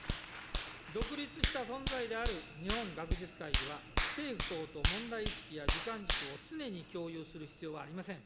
独立した存在である日本学術会議は、政府等と問題意識や時間軸を常に共有する必要はありません。